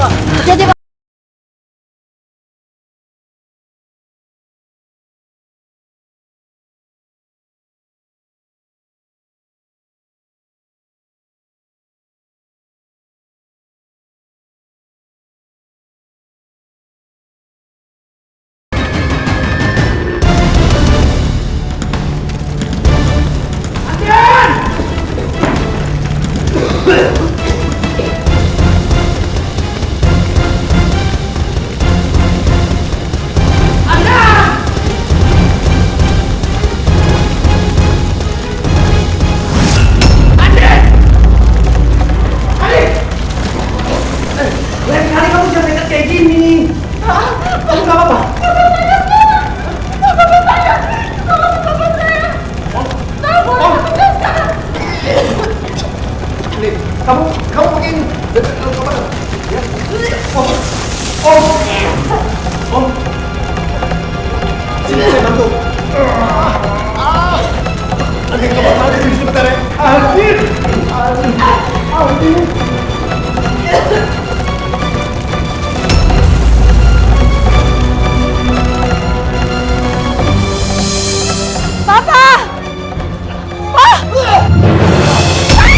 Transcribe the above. oh kubah saya gak bisa jalan lagi